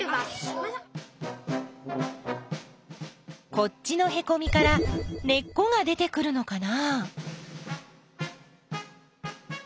こっちのへこみから根っこが出てくるのかな？